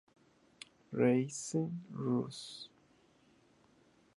Reise Russ.